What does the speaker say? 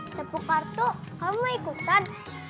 tepuk kartu kamu ikutan